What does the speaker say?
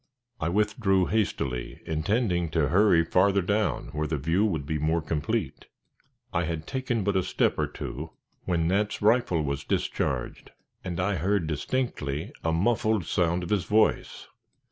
I withdrew hastily, intending to hurry farther down, where the view would be more complete. I had taken but a step or two when Nat's rifle was discharged, and I heard distinctly a muffled sound of his voice.